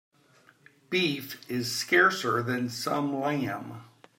Beef is scarcer than some lamb.